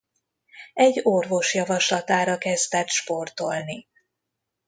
Egy orvos javaslatára kezdett sportolni.